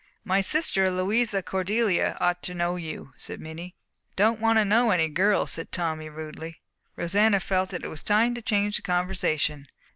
"My sister Louisa Cordelia ought to know you," said Minnie. "Don't want to know any girls," said Tommy rudely. Rosanna felt that it was time to change the conversation.